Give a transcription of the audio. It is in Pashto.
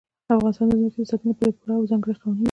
افغانستان د ځمکه د ساتنې لپاره پوره او ځانګړي قوانین لري.